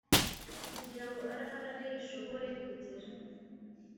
kugira ngo rra ishobore kugera